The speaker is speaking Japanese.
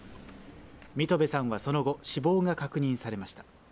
三戸部さんはその後、死亡が確認されました。